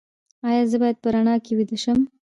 ایا زه باید په رڼا کې ویده شم؟